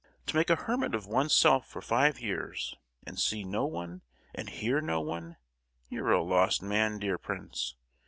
To make a hermit of oneself for five years, and see no one, and hear no one: you're a lost man, dear prince!